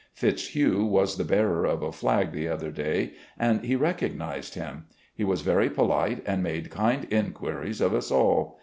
Fitzhugh was the bearer of a flag the other day, and he recognised him. He was very polite and made kind inquiries of us all.